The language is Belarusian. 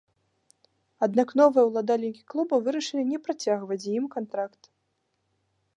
Аднак новыя ўладальнікі клуба вырашылі не працягваць з ім кантракт.